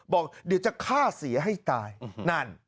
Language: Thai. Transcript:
บอกเดี๋ยวจะฆ่าเสียให้ตายนั่น